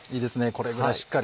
これくらいしっかり。